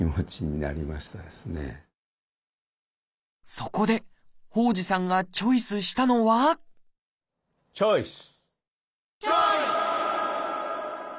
そこで傍士さんがチョイスしたのはチョイス！